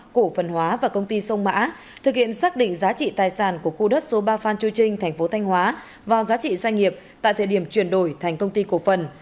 cổ phần hóa và công ty sông mã thực hiện xác định giá trị tài sản của khu đất số ba phan chu trinh thành phố thanh hóa vào giá trị doanh nghiệp tại thời điểm chuyển đổi thành công ty cổ phần